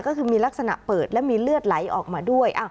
ก็คือมีลักษณะเปิดและมีเลือดไหลออกมาด้วย